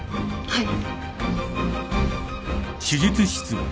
はい。